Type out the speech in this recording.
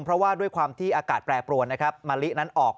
เพราะว่าด้วยความที่อากาศแปรปรวนนะครับ